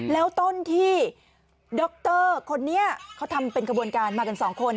แล้วต้นที่ดรคนนี้เขาทำเป็นขบวนการมากันสองคน